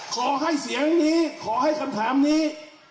ขอให้เสียงนี้ขอให้คำถามนี้